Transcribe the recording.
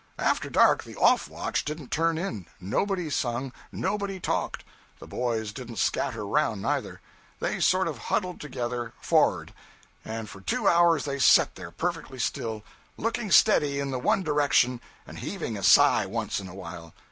'After dark the off watch didn't turn in; nobody sung, nobody talked; the boys didn't scatter around, neither; they sort of huddled together, forrard; and for two hours they set there, perfectly still, looking steady in the one direction, and heaving a sigh once in a while.